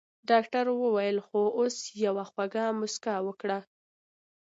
ډاکټر وويل خو اوس يوه خوږه مسکا وکړه.